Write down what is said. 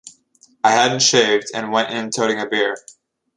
I hadn't shaved and went in toting a beer.